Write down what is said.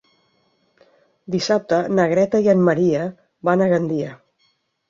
Dissabte na Greta i en Maria van a Gandia.